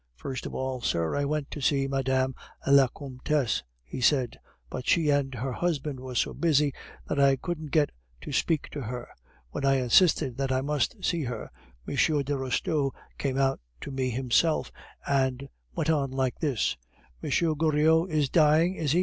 "First of all, sir, I went to Madame la Comtesse," he said; "but she and her husband were so busy that I couldn't get to speak to her. When I insisted that I must see her, M. de Restaud came out to me himself, and went on like this: 'M. Goriot is dying, is he?